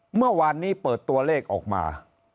เมื่อวานนี้เปิดตัวเลขออกมา